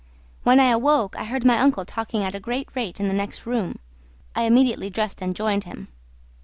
When I awoke I heard my uncle talking at a great rate in the next room. I immediately dressed and joined him.